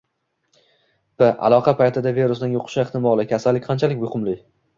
p - aloqa paytida virusning yuqish ehtimoli: kasallik qanchalik yuqumli;